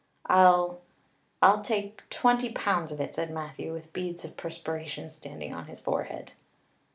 "I'll I'll take twenty pounds of it," said Matthew, with beads of perspiration standing on his forehead.